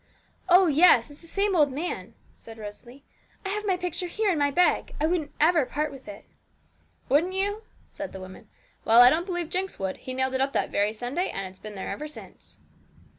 'Oh yes; it's the same old man,' said Rosalie. 'I have my picture here, in my bag. I wouldn't ever part with it.' 'Wouldn't you?' said the woman. 'Well, I don't believe Jinx would. He nailed it up that very Sunday, and there it's been ever since.'